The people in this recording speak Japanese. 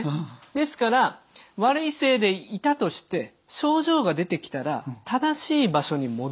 ですから悪い姿勢でいたとして症状が出てきたら正しい場所に戻ると。